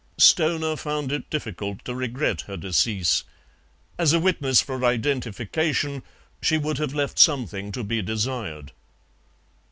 Stoner found it difficult to regret her decease; as a witness for identification she would have left something to be desired.